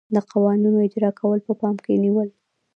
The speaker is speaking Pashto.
د قوانینو اجرا کول په پام کې نیول.